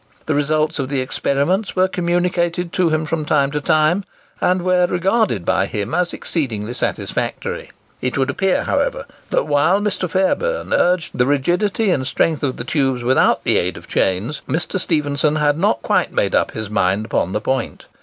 The results of the experiments were communicated to him from time to time, and were regarded by him as exceedingly satisfactory. It would appear, however, that while Mr. Fairbairn urged the rigidity and strength of the tubes without the aid of chains, Mr. Stephenson had not quite made up his mind upon the point.